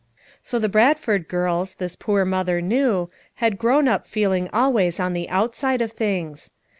So the Bradford girls, this poor mother knew, had grown up feeling always on the outside of things.